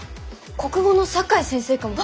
国語の酒井先生かも。